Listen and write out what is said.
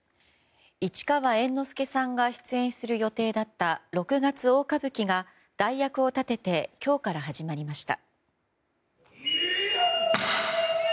市川猿之助さんが出演する予定だった「六月大歌舞伎」が代役を立てて今日から始まりました。